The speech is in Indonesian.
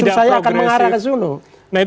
justru saya akan mengarah ke sana